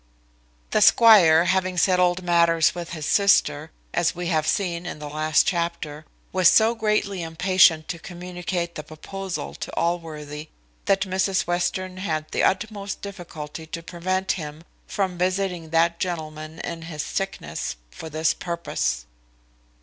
The squire having settled matters with his sister, as we have seen in the last chapter, was so greatly impatient to communicate the proposal to Allworthy, that Mrs Western had the utmost difficulty to prevent him from visiting that gentleman in his sickness, for this purpose.